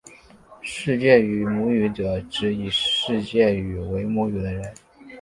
世界语母语者指以世界语为母语的人。